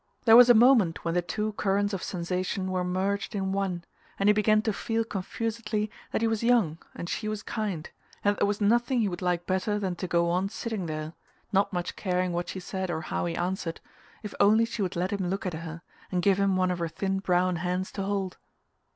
There was a moment when the two currents of sensation were merged in one, and he began to feel confusedly that he was young and she was kind, and that there was nothing he would like better than to go on sitting there, not much caring what she said or how he answered, if only she would let him look at her and give him one of her thin brown hands to hold.